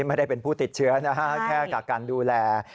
ไม่ได้เป็นผู้ติดเชื้อนะฮะแค่กับการดูแล